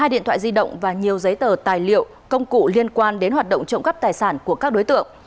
một mươi điện thoại di động và nhiều giấy tờ tài liệu công cụ liên quan đến hoạt động trộm cắp tài sản của các đối tượng